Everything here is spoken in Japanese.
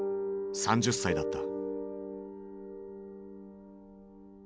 ３０歳だった。